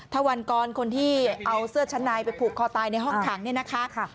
ถ้าวันก่อนคนที่เอาเสื้อชะนายไปผูกคอตายในห้องถัง